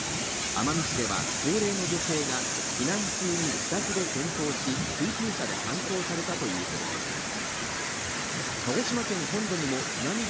奄美市では高齢の女性が避難中に自宅で転倒し、救急車で搬送されたということです。